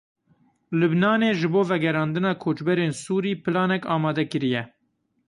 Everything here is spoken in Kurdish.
Lubnanê ji bo vegerandina koçberên Sûrî planek amade kiriye.